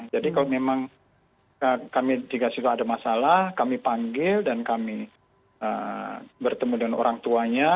jadi kalau memang kami dikasih tahu ada masalah kami panggil dan kami bertemu dengan orang tuanya